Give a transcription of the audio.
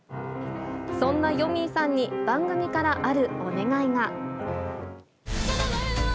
そんなよみぃさんに番組から、あるお願いが。